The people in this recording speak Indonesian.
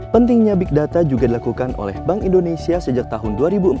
pentingnya big data juga dilakukan oleh bank indonesia sejak tahun dua ribu empat belas